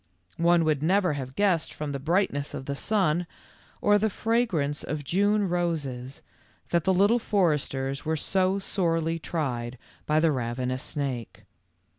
One would never have guessed from the brightness of the sun, or the fragrance of June roses, that the Little Foresters were so sorely tried by the ravenous snake.